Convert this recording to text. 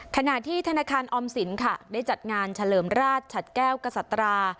ขณะที่ธนาคารออมสินค่ะได้จัดงานเฉลิมราชฉัดแก้วกษัตรา